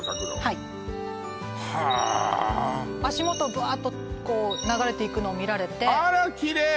はいはあっ足元ぶわーっとこう流れていくのを見られてあらキレイ！